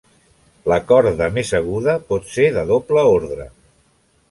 La corda més aguda pot ser de doble ordre.